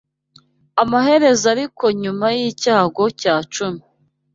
Amaherezo ariko nyuma y’icyago cya cumi